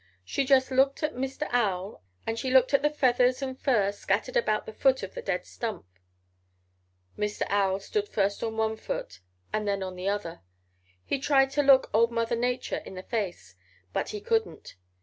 She just looked at Mr. Owl and she looked at the feathers and fur scattered about the foot of the dead stump. Mr. Owl stood first on one foot and then on the other. He tried to look old Mother Nature in the face, but he couldn't.